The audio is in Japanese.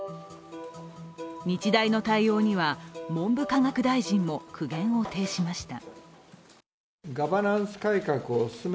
日大の対応には文部科学大臣も苦言を呈しました。